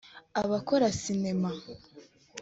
abakora sinema